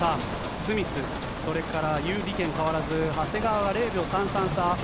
スミス、それから兪李ケン変わらず、長谷川は０秒３３差。